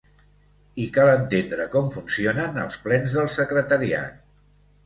I cal entendre com funcionen els plens del secretariat.